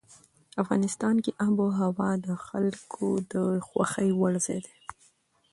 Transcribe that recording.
افغانستان کې آب وهوا د خلکو د خوښې وړ ځای دی.